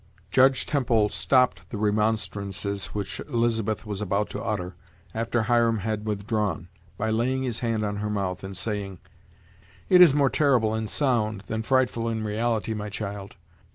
Judge Temple stopped the remonstrances which Elizabeth was about to utter, after Hiram had withdrawn, by laying his hand on her mouth, and saying: "It is more terrible in sound than frightful in reality, my child.